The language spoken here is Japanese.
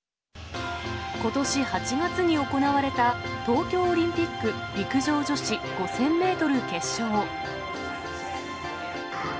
ことし８月に行われた、東京オリンピック陸上女子５０００メートル決勝。